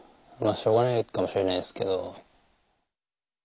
しょうがないかもしれないですけど。